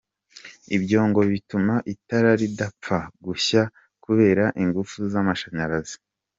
Ibyo ngo bituma itara ridapfa gushya kubera ingufu z’amashanyarazi.